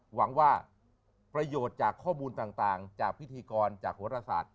หวังว่าประโยชน์จากข้อมูลต่างจากพิธีกรจากโหรศาสตร์